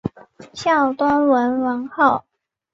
孝端文皇后。